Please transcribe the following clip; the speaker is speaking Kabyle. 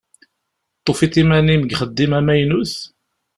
Tufiḍ iman-im deg uxeddim amaynut?